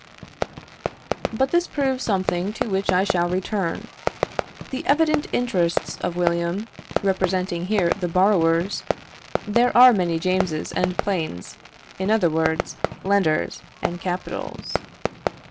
But this proves something to which I shall return. The evident interests of William, representing here the borrowers, there are many Jameses and planes, in other words, lenders and capitals.